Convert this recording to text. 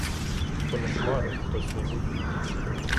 То не хмари, то сніги.